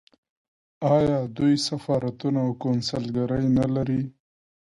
آیا دوی سفارتونه او کونسلګرۍ نلري؟